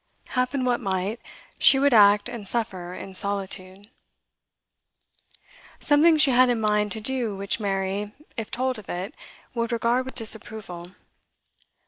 Happen what might, she would act and suffer in solitude. Something she had in mind to do which Mary, if told of it, would regard with disapproval.